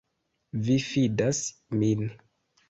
Vi fidas min.